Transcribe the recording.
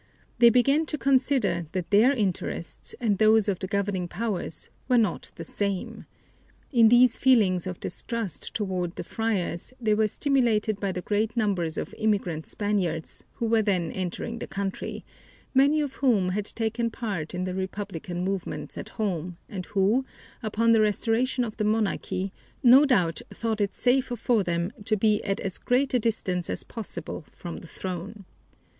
They began to consider that their interests and those of the governing powers were not the same. In these feelings of distrust toward the friars they were stimulated by the great numbers of immigrant Spaniards who were then entering the country, many of whom had taken part in the republican movements at home and who, upon the restoration of the monarchy, no doubt thought it safer for them to be at as great a distance as possible from the throne.